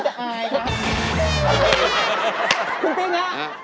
จำแสบสำนนี้ครับผม